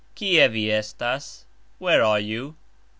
Kie vi estas? Where are you?